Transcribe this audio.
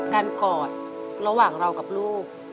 กอดระหว่างเรากับลูก